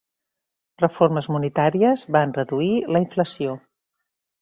Reformes monetàries van reduir la inflació.